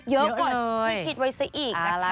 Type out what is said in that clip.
เยอะกว่าที่คิดไว้ซะอีกนะคะ